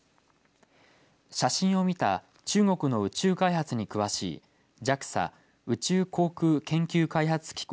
写真を見た中国の宇宙開発に詳しいＪＡＸＡ宇宙航空研究開発機構